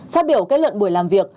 phát biểu kết luận buổi làm việc